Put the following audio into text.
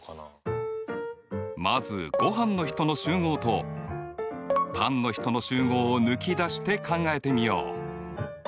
まずごはんの人の集合とパンの人の集合を抜き出して考えてみよう。